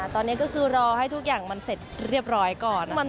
ตอนนี้ก็คือรอให้ทุกอย่างมันเสร็จเรียบร้อยก่อน